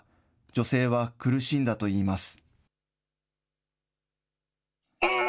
女性は苦しんだといいます。